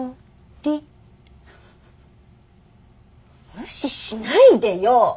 無視しないでよ！